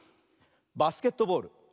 バスケットボール。